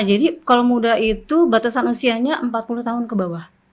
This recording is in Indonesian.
jadi kalau muda itu batasan usianya empat puluh tahun ke bawah